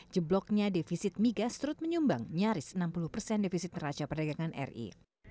jebloknya defisit migas terus menyumbang nyaris enam puluh persen defisit neraca perdagangan ri